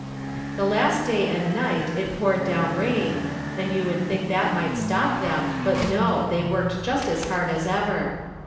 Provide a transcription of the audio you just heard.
The last day and night it poured down rain, and you would think that might stop them, but no, they worked just as hard as ever.